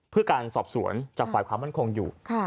เพื่อการสอบสวนจากฝ่ายความมั่นคงอยู่